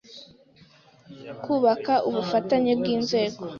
Kubaka ubufatanye bw’inzego